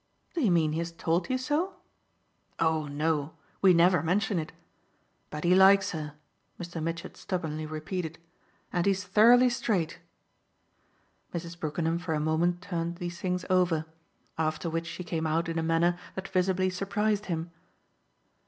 "Do you mean he has told you so?" "Oh no we never mention it! But he likes her," Mr. Mitchett stubbornly repeated. "And he's thoroughly straight." Mrs. Brookenham for a moment turned these things over; after which she came out in a manner that visibly surprised him.